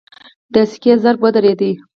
د سکې ضرب ودرېد.